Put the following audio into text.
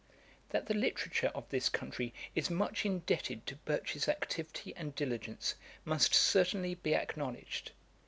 That the literature of this country is much indebted to Birch's activity and diligence must certainly be acknowledged.